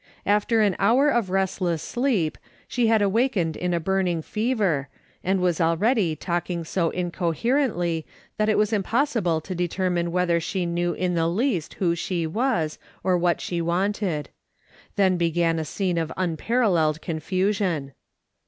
After an hour of restless sleep she had awakened in a burning fever, and was already talking so incoherently that it was impossible to determine whether she knew in the least who she was, or what she wanted. Then began a scene of unparalleled confusion.